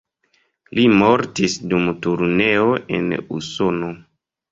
Li mortis dum turneo en Usono.